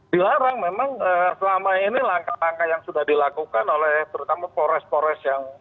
dilarang memang selama ini langkah langkah yang sudah dilakukan oleh terutama polres polres yang